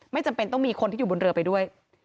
จำเป็นต้องมีคนที่อยู่บนเรือไปด้วย